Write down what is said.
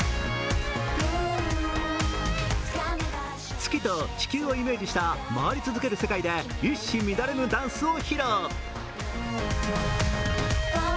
月と地球をイメージした回り続ける世界で一糸乱れぬダンスを披露。